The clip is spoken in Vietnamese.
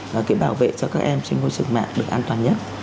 và cái bảo vệ cho các em trên môi trường mạng được an toàn nhất